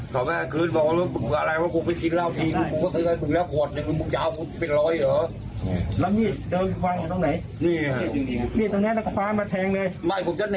ป้ายเงินโกรธป้ายเงินไม่รู้